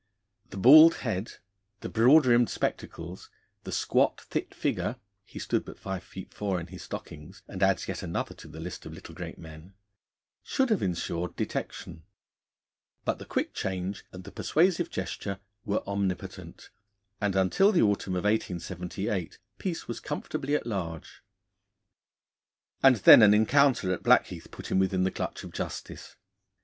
The bald head, the broad rimmed spectacles, the squat, thick figure he stood but five feet four in his stockings, and adds yet another to the list of little great men should have ensured detection, but the quick change and the persuasive gesture were omnipotent, and until the autumn of 1878 Peace was comfortably at large. And then an encounter at Blackheath put him within the clutch of justice.